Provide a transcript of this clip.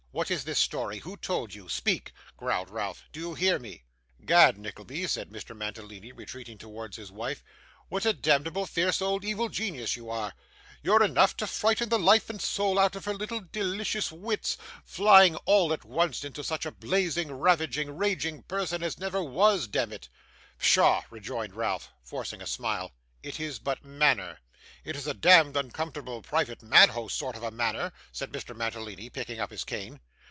What is this story? Who told you? Speak,' growled Ralph. 'Do you hear me?' ''Gad, Nickleby,' said Mr. Mantalini, retreating towards his wife, 'what a demneble fierce old evil genius you are! You're enough to frighten the life and soul out of her little delicious wits flying all at once into such a blazing, ravaging, raging passion as never was, demmit!' 'Pshaw,' rejoined Ralph, forcing a smile. 'It is but manner.' 'It is a demd uncomfortable, private madhouse sort of a manner,' said Mr Mantalini, picking up his cane.